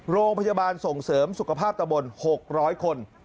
โรงพยาบาลส่งเสริมสุขภาพตะบน๖๐๐คน